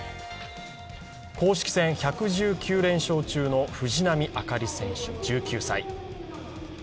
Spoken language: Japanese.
公式戦１１９連勝中の藤波朱理選手１９歳。